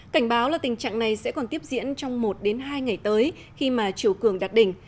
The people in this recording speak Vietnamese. cảnh báo là tình trạng này sẽ còn tiếp diễn trong một hai ngày tới khi mà chiều cường đạt đỉnh